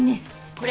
これ。